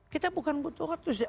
kita bukan butuh hoax ya